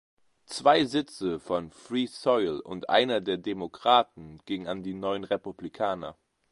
Zwei Sitze von Free Soil und einer der Demokraten gingen an die neuen Republikaner.